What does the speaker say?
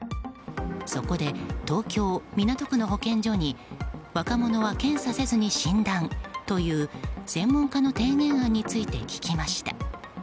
そこで、東京・港区の保健所に若者は検査せずに診断という専門家の提言案について聞きました。